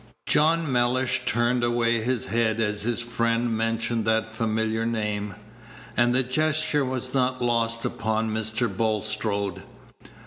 John Mellish turned away his head as his friend mentioned that familiar name, and the gesture was not lost upon Mr. Bulstrode.